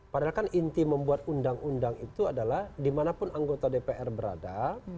padahal kan inti membuat undang undang itu adalah dimanapun anggota dpr berada